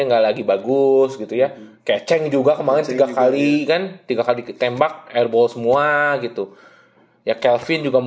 kalau sekarang beda kan posisinya